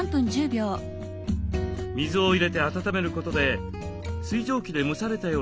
水を入れて温めることで水蒸気で蒸されたような状態に。